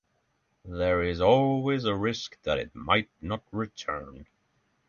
There is always a risk that it might not return.